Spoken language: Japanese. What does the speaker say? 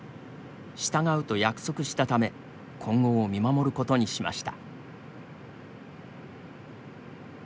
従うと約束したため今後を見守ることにしました。